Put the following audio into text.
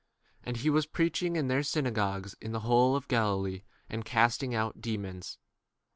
And he was preach ing in their synagogues in the whole of Galilee, and casting out demons.